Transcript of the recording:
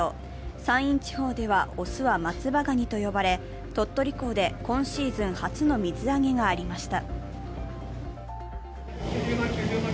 山陰地方では雄は松葉がにと呼ばれ、鳥取港で今シーズン初の水揚げがありました。